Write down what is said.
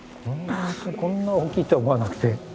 こんな大きいとは思わなくて。